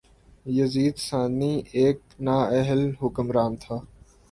یزید ثانی ایک نااہل حکمران تھا